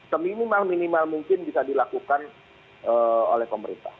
seminimal minimal mungkin bisa dilakukan oleh pemerintah